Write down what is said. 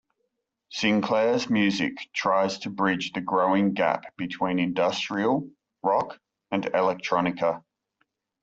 SinClair's music tries to bridge the growing gap between Industrial, Rock and Electronica.